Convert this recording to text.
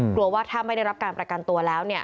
กลัวว่าถ้าไม่ได้รับการประกันตัวแล้ว